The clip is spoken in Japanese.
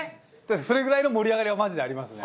それぐらいの盛り上がりはマジでありますね。